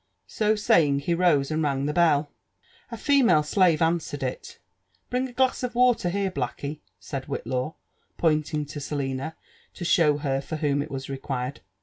So saying, he rose and rang the bell. A female sUve answered, it. '' Bring a glass of Water here^ blacky/' said Whitlaw, pointing to Selioa to show her for whom ir was required.